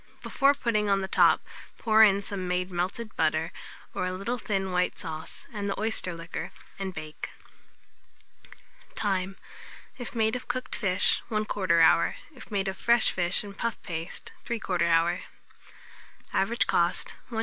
Before putting on the top, pour in some made melted butter, or a little thin white sauce, and the oyster liquor, and bake. Time. If made of cooked fish, 1/4 hour; if made of fresh fish and puff paste, 3/4 hour. Average cost, 1s.